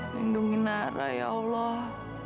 lindungi nara ya allah